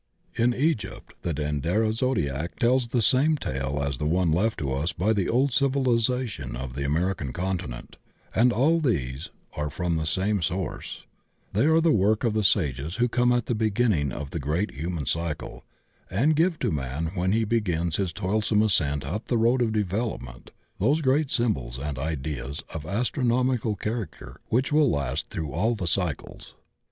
In Egypt the Denderah Zodiac tells the same tale as that one left to us by the old civilization of the American con tinent, and all of these are from the same source; they are the work of the Sages who come at the beginning CAUSES FOR CATACLYSMS 123 of the great human cycle and give to man when he begms tus toilsome ascent up the road of development those great symbols and ideas of an astronomical character which will last through all the cycles.